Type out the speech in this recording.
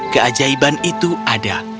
keajaiban itu ada